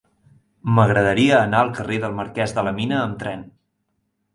M'agradaria anar al carrer del Marquès de la Mina amb tren.